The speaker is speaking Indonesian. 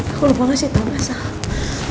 aku lupa lah sih tau masalah